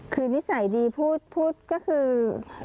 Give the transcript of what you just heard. คือนิสัยดีพูดก็คือ